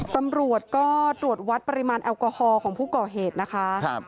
ตำรวจก็ตรวจวัดปริมาณแอลกอฮอล์ของผู้ก่อเหตุนะคะ